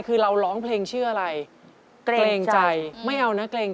คือเราร้องเพลงชื่ออะไรวง